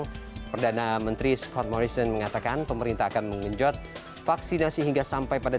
pertama perdana menteri scott morrison mengatakan pemerintah akan mengejut vaksinasi hingga sampai perjalanan